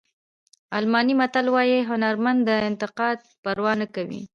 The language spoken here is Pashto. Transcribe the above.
الماني متل وایي هنرمند د انتقاد پروا نه کوي.